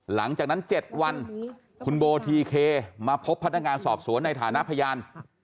หลังจากนั้น๗วันคุณโบทีเคมาพบพนักงานสอบสวนในฐานะพยาน